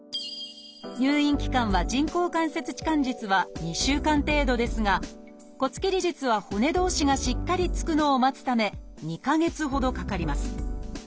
入院期間は人工関節置換術は２週間程度ですが骨切り術は骨同士がしっかりつくのを待つため２か月ほどかかります。